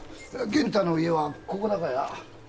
源太の家はここだがや？